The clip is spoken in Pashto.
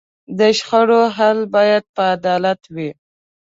د شخړو حل باید په عدالت وي.